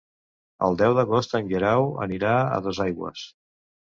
El deu d'agost en Guerau anirà a Duesaigües.